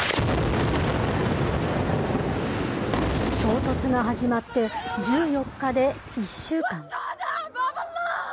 衝突が始まって１４日で１週間。